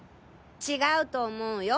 違うと思うよ。